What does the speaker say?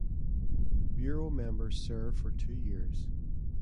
Bureau members serve for two years.